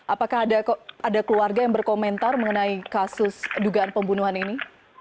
apakah ada keluarga yang berkomentar mengenai kasus dugaan pembunuhan ini